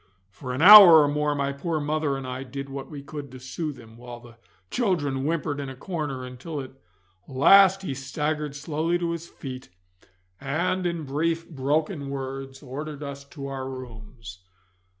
For an hour or more my poor mother and I did what we could to soothe him, while the children whimpered in a corner, until at last he staggered slowly to his feet, and in brief broken words ordered us to our rooms.